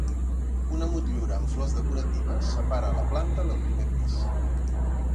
Una motllura amb flors decoratives separa la planta del primer pis.